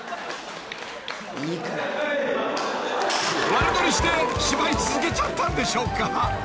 ［悪ノリして芝居続けちゃったんでしょうか？］